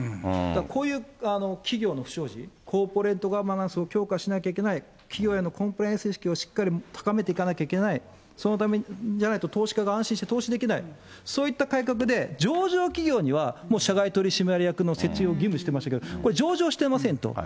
こういう企業の不祥事、コーポレートガバナンスを強化しなければいけない、企業へのコンプライアンス意識をしっかり高めていかないといけない、じゃないと投資家が安心して投資できない、そういった改革で、上場企業にはもう社外取締役の設置を義務してますけど、これ、上場してませんと。